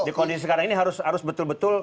di kondisi sekarang ini harus betul betul